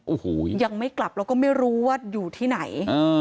โอ้โหยังไม่กลับแล้วก็ไม่รู้ว่าอยู่ที่ไหน